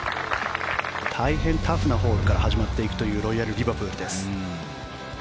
大変タフなホールから始まっていくというロイヤル・リバプールです。